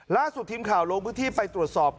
ล่าสุดทีมข่าวลงพื้นที่ไปตรวจสอบ